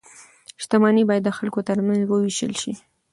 شتمني باید د خلکو ترمنځ وویشل شي.